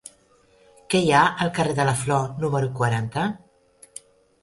Què hi ha al carrer de la Flor número quaranta?